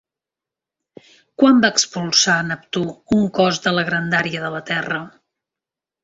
Quan va expulsar Neptú un cos de la grandària de la terra?